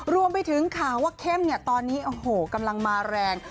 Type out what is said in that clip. รวมไปถึงข่าวว่าเข้มเนี่ยตอนนี้โอ้โหกำลังมาแรง